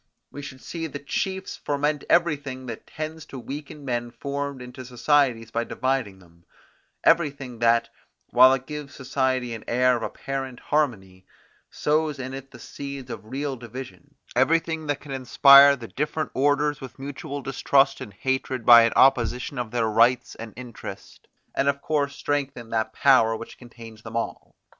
We should see the chiefs foment everything that tends to weaken men formed into societies by dividing them; everything that, while it gives society an air of apparent harmony, sows in it the seeds of real division; everything that can inspire the different orders with mutual distrust and hatred by an opposition of their rights and interest, and of course strengthen that power which contains them all.